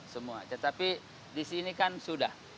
semua tetapi di sini kan sudah